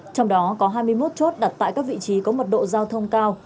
trong đó có hai mươi một chốt đặt tại các vị trí có mật độ giao thông cao